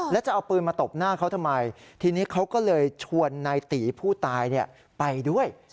แล้วจะเอาปืนมาตบหน้าเขาทำไมทีนี้เขาก็เลยชวนนายตีผู้ตายไปด้วย